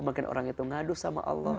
makin orang itu ngadu sama allah